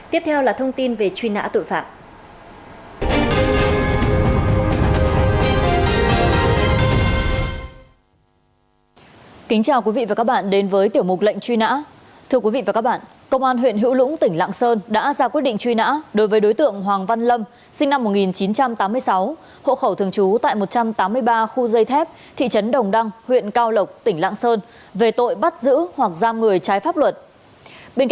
tiếp theo là thông tin về truy nã tội phạm